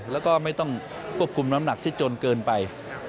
แล้วก็ไม่ต้องควบคุมน้ำหนักซิจนเกินไป